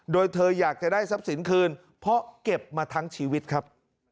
โดยเธออยากจะได้ทรัพย์สินคืนเพราะเก็บมาทั้งชีวิตครับ